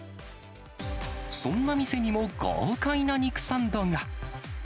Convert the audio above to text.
そんな店にも、豪快な肉サンドが。